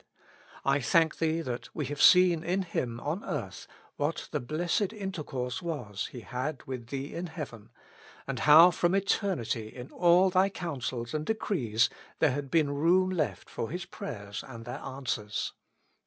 I thank Thee that we have seen in Him on earth, what the blessed intercourse was He had with Thee in Heaven ; and how from eternity in all Thy counsels and decrees there had been room left for His prayers and their answers.